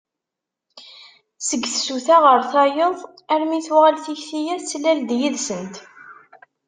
Seg tsuta ɣer tayeḍ armi tuɣal tikli-a tettlal-d yid-sent.